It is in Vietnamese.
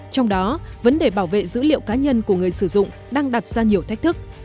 trong đó vấn đề bảo vệ dữ liệu cá nhân của người sử dụng đang đặt ra nhiều thách thức